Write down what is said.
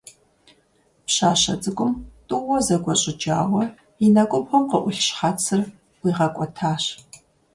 Пщащэ цӀыкӀум тӀууэ зэгуэжьыкӀауэ и нэкӀубгъум къыӀулъ щхьэцыр ӀуигъэкӀуэтащ.